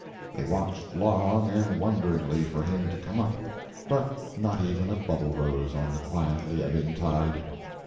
They watched long and wonderingly for him to come up, but not even a bubble rose on the quietly ebbing tide.